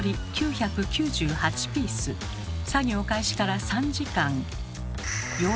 作業開始から３時間。